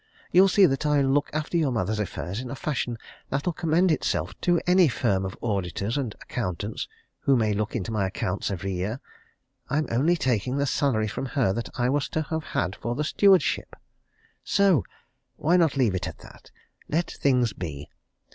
You'll see that I'll look after your mother's affairs in a fashion that'll commend itself to any firm of auditors and accountants who may look into my accounts every year. I'm only taking the salary from her that I was to have had for the stewardship. So why not leave it at that? Let things be!